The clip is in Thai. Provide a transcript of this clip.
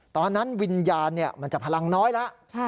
ตอนนั้นวิญญาณมันจะพลังน้อยแล้ว